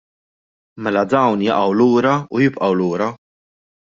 Mela dawn jaqgħu lura u jibqgħu lura.